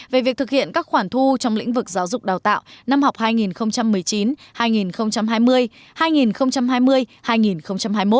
về việc thực hiện các khoản thu trong lĩnh vực giáo dục đào tạo năm học hai nghìn một mươi chín hai nghìn hai mươi